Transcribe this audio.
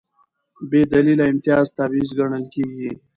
بېدلیله امتیاز تبعیض ګڼل کېږي.